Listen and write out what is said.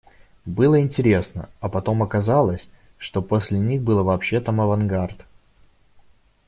Было интересно, а потом оказалось, что после них был вообще там авангард.